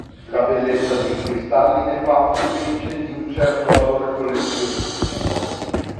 La bellezza dei cristalli ne fa una specie di un certo valore collezionistico.